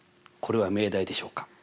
これは命題でしょうか？